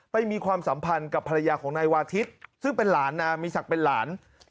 มีความสัมพันธ์กับภรรยาของนายวาทิศซึ่งเป็นหลานนะมีศักดิ์เป็นหลาน